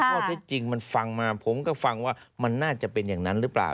ข้อเท็จจริงมันฟังมาผมก็ฟังว่ามันน่าจะเป็นอย่างนั้นหรือเปล่า